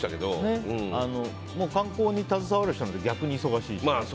観光に携わる人は逆に忙しいしね。